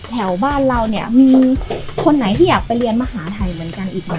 แถวบ้านเราเนี่ยมีคนไหนที่อยากไปเรียนมหาใช่ไหม